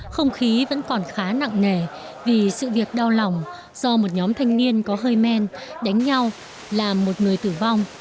không khí vẫn còn khá nặng nề vì sự việc đau lòng do một nhóm thanh niên có hơi men đánh nhau làm một người tử vong